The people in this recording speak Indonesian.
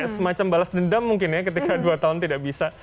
seperti balas dendam mungkin ketika dua tahun tidak bisa